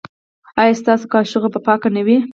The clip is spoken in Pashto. ایا ستاسو کاشوغه به پاکه نه وي؟